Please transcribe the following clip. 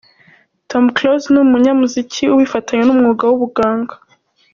Tom Close ni umunyamuziki ubifatanya n’umwuga w’ubuganga.